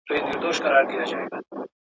ما د جهاني په لاس امېل درته پېیلی وو ..